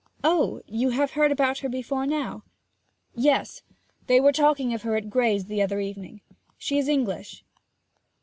'Oh, you have heard about her before now?' 'Yes; they were talking of her at Grey's the other evening. She is English.'